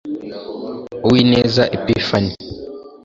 uwineza epiphanie